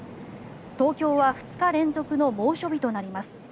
東京は２日連続の猛暑日となります。